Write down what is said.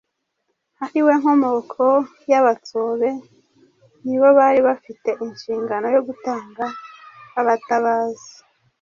ariwe nkomoko y’Abatsobe nibo bari bafite inshingano yo gutanga abatabazi